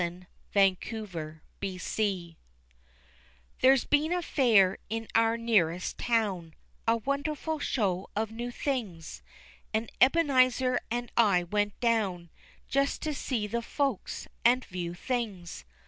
] Long Time Ago There's been a fair in our nearest town, A wonderful show of new things, And Ebenezer and I went down Just to see the folks, and view things.